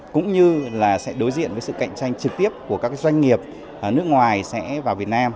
cũng như là sẽ đối diện với sự cạnh tranh trực tiếp của các doanh nghiệp nước ngoài sẽ vào việt nam